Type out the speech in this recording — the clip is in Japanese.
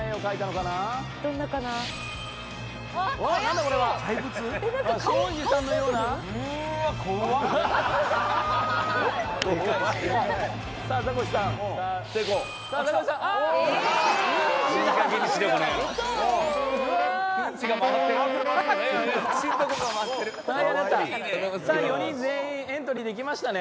「かわいい」さあ４人全員エントリーできましたね。